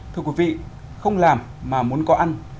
thưa quý vị không làm mà muốn có ăn